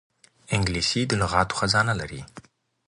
انګلیسي د لغاتو خزانه لري